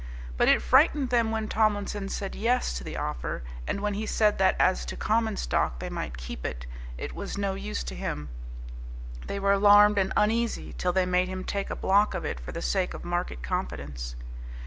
But it frightened them when Tomlinson said "Yes" to the offer, and when he said that as to common stock they might keep it, it was no use to him, they were alarmed and uneasy till they made him take a block of it for the sake of market confidence.